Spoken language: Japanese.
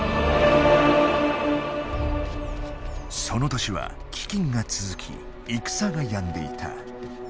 その年は飢饉が続き戦がやんでいた。